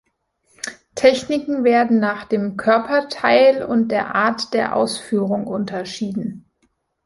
Techniken werden nach dem „Körperteil“ und der Art der Ausführung unterschieden.